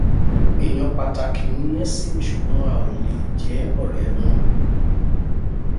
Èèyàn pàtàkì ni ẹ sí mi ṣùgbọ́n a ò lé jẹ́ ọ̀rẹ́ mọ.